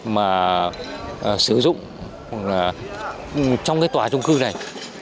mà sử dụng trong cái tòa trung cư này